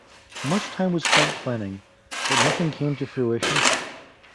Much time was spent planning, but nothing came to fruition.